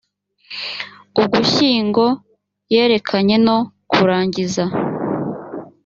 ugushyingo yerekeranye no kurangiza